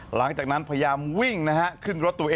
หลังจากนั้นพยายามวิ่งนะฮะ